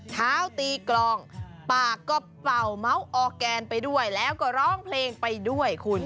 เท้าตีกลองปากก็เป่าเม้าออร์แกนไปด้วยแล้วก็ร้องเพลงไปด้วยคุณ